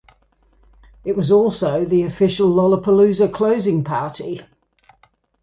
It was also the official Lollapalooza closing party.